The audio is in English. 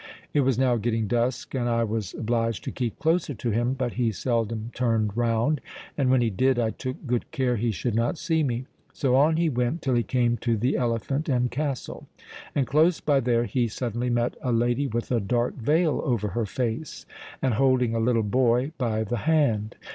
It was now getting dusk; and I was obliged to keep closer to him. But he seldom turned round—and when he did, I took good care he should not see me. So, on he went till he came to the Elephant and Castle; and close by there he suddenly met a lady with a dark veil over her face, and holding a little boy by the hand.